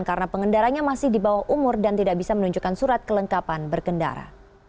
karena pengendaranya masih di bawah umur dan tidak bisa menunjukkan surat kelengkapan berkendara